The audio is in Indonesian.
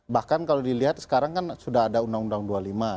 bahkan kalau dilihat sekarang kan sudah ada undang undang dua puluh lima